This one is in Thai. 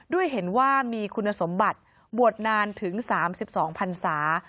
ด้วยเห็นว่ามีคุณสมบัติบวชนานถึง๓๒พันศา